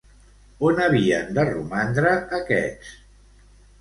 On havien de romandre, aquests?